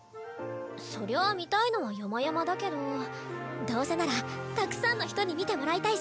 そりゃ見たいのは山々だけどどうせならたくさんの人に見てもらいたいじゃん？